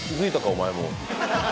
お前も。